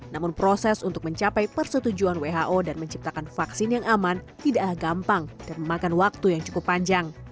namun proses untuk mencapai persetujuan who dan menciptakan vaksin yang aman tidak gampang dan memakan waktu yang cukup panjang